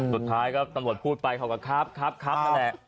สุดท้ายก็ตำรวจพูดไปเขาก็ครับครับนั่นแหละ